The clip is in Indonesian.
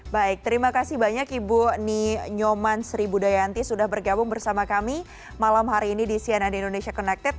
baik terima kasih banyak ibu ni nyoman sri budayanti sudah bergabung bersama kami malam hari ini di cnn indonesia connected